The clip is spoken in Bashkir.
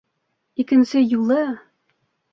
— Икенсе юлы!..